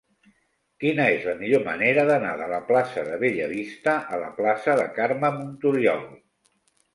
Quina és la millor manera d'anar de la plaça de Bellavista a la plaça de Carme Montoriol?